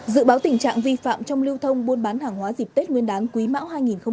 dự báo tình trạng vi phạm trong lưu thông buôn bán hàng hóa dịp tết nguyên đán quý mão hai nghìn hai mươi